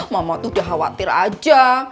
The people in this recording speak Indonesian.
mama tuh udah khawatir aja